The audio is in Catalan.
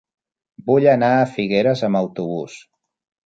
Vull anar a Figueres amb autobús.